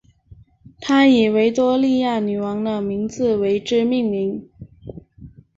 他以维多利亚女王的名字为之命名。